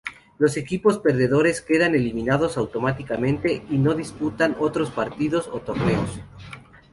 Los equipos perdedores quedan eliminados automáticamente, y no disputan otros partidos o torneos.